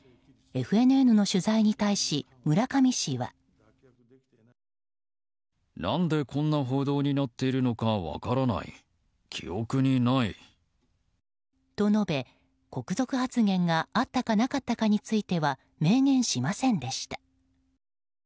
ＦＮＮの取材に対し村上氏は。と述べ、国賊発言があったか、なかったかについては明言しませんでした。